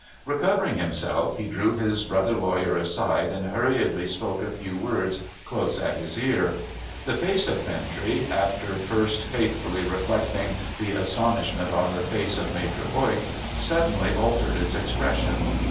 Recovering himself, he drew his brother lawyer aside, and hurriedly spoke a few words close at his ear. The face of Bintrey — after first faithfully reflecting the astonishment on the face of Maitre Voigt — suddenly altered its expression.